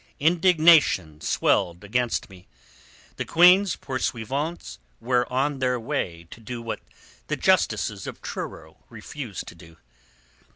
Indignation swelled against me. The Queen's pursuivants were on their way to do what the justices of Truro refused to do.